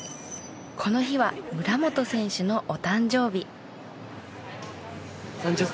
この日は村元選手のお誕生日。